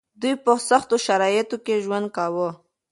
دوی په سختو شرايطو کې ژوند کاوه.